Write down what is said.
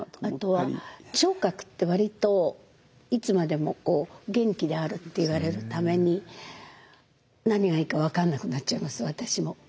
あとは聴覚って割といつまでも元気であるっていわれるために何がいいか分かんなくなっちゃいます私も。